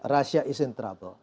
rusia dalam masalah